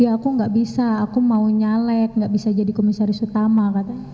ya aku tidak bisa aku mau nyalet tidak bisa jadi komisaris utama kata